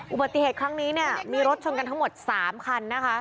อุบัติเหตุครั้งนี้เนี่ยมีรถชนกันทั้งหมด๓คันนะคะ